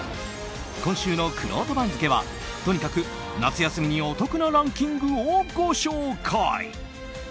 今週のくろうと番付はとにかく夏休みにお得なランキングをご紹介。